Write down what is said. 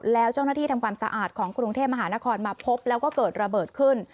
แล้วเจ้าหน้าที่ทำความสะอาดของกรุงเทพมหานครมาพบแล้วก็เกิดระเบิดขึ้น